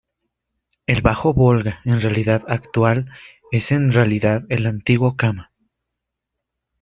El Bajo Volga en realidad actual es en realidad el antiguo Kama.